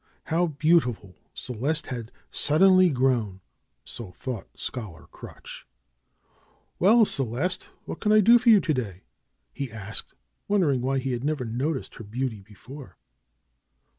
How beautiful Celeste had suddenly grown! So thought Scholar Crutch. '^Well, Celeste! What can I do for you to day?" he asked, wondering why he had never noticed her beauty before.